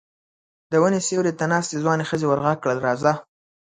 د وني سيوري ته ناستې ځوانې ښځې ور غږ کړل: راځه!